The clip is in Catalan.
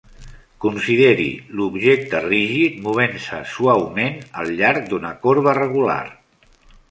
Consideri l'objecte rígid movent-se suaument al llarg d'una corba regular.